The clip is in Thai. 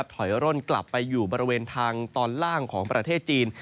ถอยร่นกลับไปอยู่บริเวณทางตอนล่างของประเทศจีน